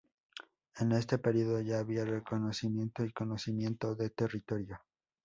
En este periodo ya había reconocimiento y conocimiento de territorio.